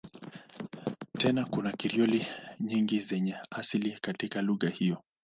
Tena kuna Krioli nyingi zenye asili katika lugha hizo.